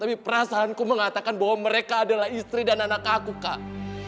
tapi perasaanku mengatakan bahwa mereka adalah istri dan anak aku kak